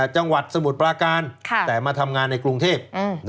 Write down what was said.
จังหวัดสมุทรปราการแต่มาทำงานในกรุงเทพ